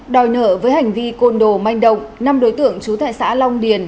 đòi nợ với hành vi côn đồ manh động năm đối tượng trú tại xã long điền